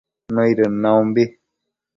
nëidën naumbi